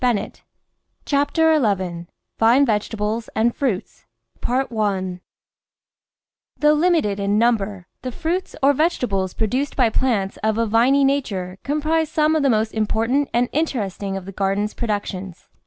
CHAPTER ELEVEN VINE VEGETABLES AND FRUITS 1 HOUGH limited in number, the fniits or vege tables produced by plants of a viny nature com prise some of the most important and interesting of the garden's productions.